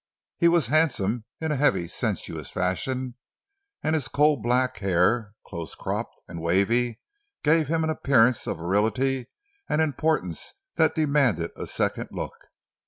He was handsome in a heavy, sensuous fashion, and his coal black hair, close cropped and wavy, gave him an appearance of virility and importance that demanded a second look.